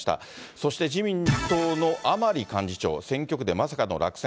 そして自民党の甘利幹事長、選挙区でまさかの落選。